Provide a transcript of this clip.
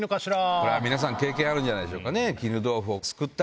これは皆さん経験あるんじゃないでしょうかね。